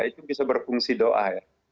itu bisa berfungsi doa ya